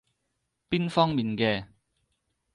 邊方面嘅？